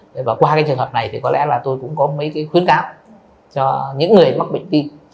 thế và qua cái trường hợp này thì có lẽ là tôi cũng có mấy cái khuyến cáo cho những người mắc bệnh tim